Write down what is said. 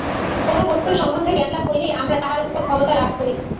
কোন বস্তুর সম্বন্ধে জ্ঞানলাভ হইলেই আমরা উহার উপর ক্ষমতা লাভ করি।